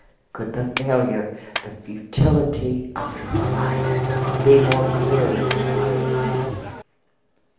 Could the failure, the futility of his life be more clearly revealed?